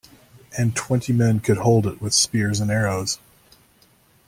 And twenty men could hold it with spears and arrows.